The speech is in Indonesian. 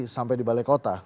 sampai di balai kota